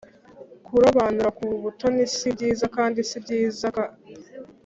kurobanura ku butoni si byiza, kandi si byiza k